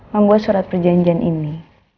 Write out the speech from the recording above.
membuat surat perjanjian ini